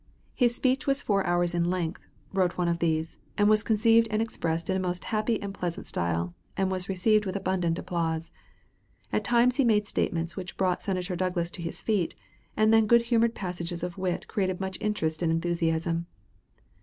"His speech was four hours in length" wrote one of these, "and was conceived and expressed in a most happy and pleasant style, and was received with abundant applause. At times he made statements which brought Senator Douglas to his feet, and then good humored passages of wit created much interest and enthusiasm."